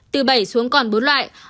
từ bảy xuống còn bốn loại